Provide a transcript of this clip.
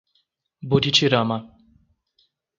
Buritirama